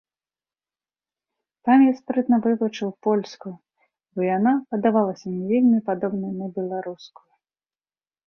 Там я спрытна вывучыў польскую, бо яна падавалася мне вельмі падобнай на беларускую.